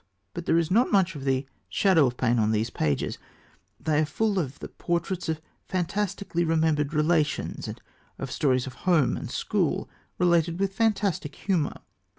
But there is not much of the shadow of pain on these pages. They are full of the portraits of fantastically remembered relations and of stories of home and school related with fantastic humour.